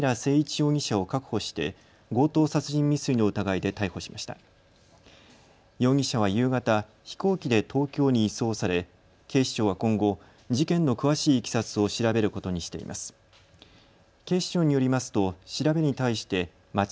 容疑者は夕方、飛行機で東京に移送され警視庁は今後、事件の詳しいいきさつを調べることにしています。